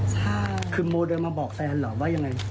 ใช่คือโมเดินมาบอกแฟนเหรอว่ายังไง